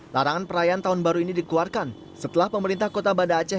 larangan perayaan tahun baru ini dikeluarkan setelah pemerintah kota banda aceh